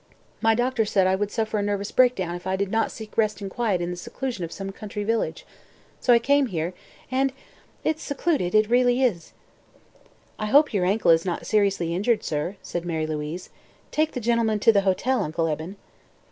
My doctor said I would suffer a nervous breakdown if I did not seek rest and quiet in the seclusion of some country village. So I came here, and it's secluded; it really is." "I hope your ankle is not seriously injured, sir," said Mary Louise. "Take the gentleman to the hotel, Uncle Eben."